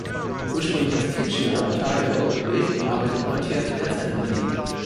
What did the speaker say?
Ursprünglich aus Kitchener, Ontario, lebt und arbeitet Montieth derzeit in Berlin.